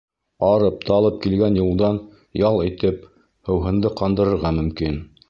Арып-талып килгән юлдан ял итеп, һыуһынды ҡандырырға мөмкин.